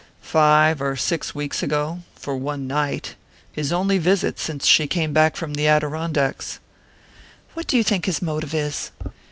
"Five or six weeks ago for one night. His only visit since she came back from the Adirondacks." "What do you think his motive is?